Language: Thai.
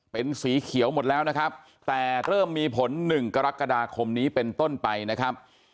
เป็นสีเขียวหมดแล้วนะครับแต่เริ่มมีผล๑กรกฎาคมนี้เป็นต้นไปนะครับ